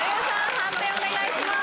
判定お願いします。